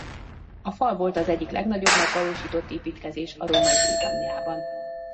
A fal volt az egyik legnagyobb megvalósított építkezés a római Britanniában.